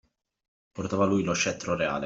Portava lui lo scettro reale